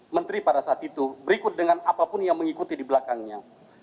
menteri pada saat itu berikut dengan apapun yang mengikuti di belakangnya